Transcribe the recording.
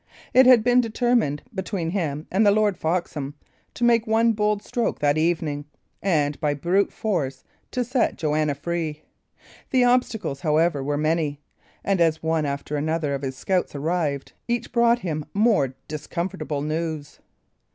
It had been determined, between him and the Lord Foxham, to make one bold stroke that evening, and, by brute force, to set Joanna free. The obstacles, however, were many; and as one after another of his scouts arrived, each brought him more discomfortable news.